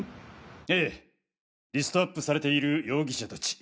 ええリストアップされている容疑者達